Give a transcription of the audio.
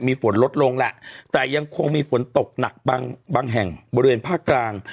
มีฝนลดลงแหละแต่ยังคงมีฝนตกหนักบางบางแห่งบริเวณภาคกลาง